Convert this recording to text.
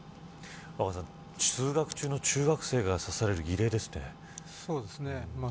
若狭さん、通学中の中学生が刺されるのはそうですね。